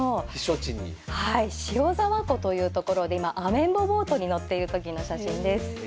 塩沢湖という所で今アメンボボートに乗っている時の写真です。